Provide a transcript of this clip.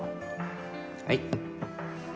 はい！